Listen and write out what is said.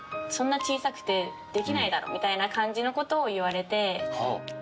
「そんな小さくてできないだろ」みたいな感じの事を言われて。